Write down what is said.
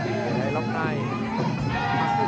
เบียไทยกด